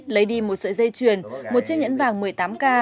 lấy đi một sợi dây chuyền một chiếc nhẫn vàng một mươi tám k